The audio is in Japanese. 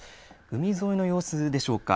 海沿いの様子でしょうか。